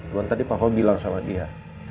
cuma tadi pak ho bilang sama dia